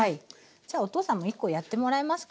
じゃあお父さんも１コやってもらいますか？